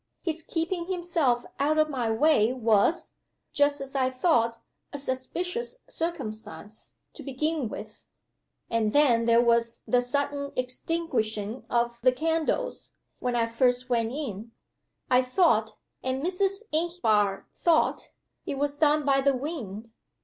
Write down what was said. His keeping himself out of my way was (just as I thought) a suspicious circumstance, to begin with. And then there was the sudden extinguishing of the candles, when I first went in. I thought (and Mrs. Inchbare thought) it was done by the wind.